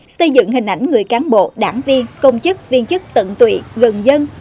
xây dựng hình ảnh người cán bộ đảng viên công chức viên chức tận tụy gần dân